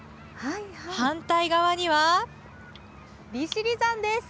反対側には、利尻山です。